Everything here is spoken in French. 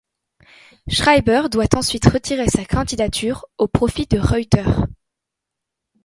Schreiber doit ensuite retirer sa candidature au profit de Reuter.